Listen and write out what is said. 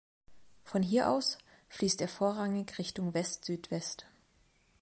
Von hier aus fließt er vorrangig Richtung Westsüdwest.